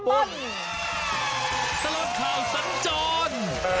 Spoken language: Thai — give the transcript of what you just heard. ตลอดข่าวสัญจร